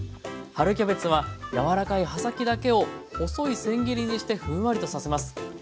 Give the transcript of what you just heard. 春キャベツは柔らかい葉先だけを細いせん切りにしてふんわりとさせます。